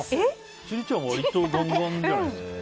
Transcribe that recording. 千里ちゃん割とガンガンじゃない？